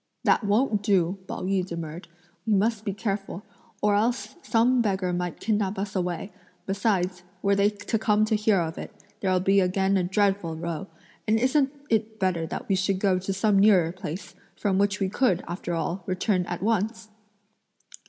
"That won't do," Pao yü demurred, "we must be careful, or else some beggar might kidnap us away; besides, were they to come to hear of it, there'll be again a dreadful row; and isn't it better that we should go to some nearer place, from which we could, after all, return at once?"